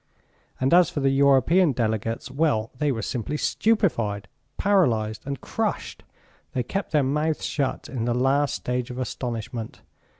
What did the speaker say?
And as for the European delegates, well, they were simply stupefied, paralyzed, and crushed, they kept their mouths shut in the last stage of astonishment.